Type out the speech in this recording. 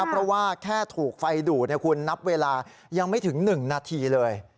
เพราะว่าแค่ถูกไฟดูดคุณนับเวลายังไม่ถึง๑นาทีเลย